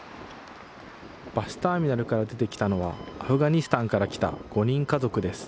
バスターミナルから出てきたのは、アフガニスタンから来た５人家族です。